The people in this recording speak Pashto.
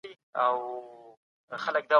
امنیتی ځواکونه د فزیکي زور بېلګه ده.